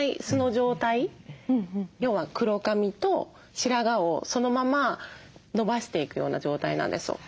要は黒髪と白髪をそのまま伸ばしていくような状態なんですよ。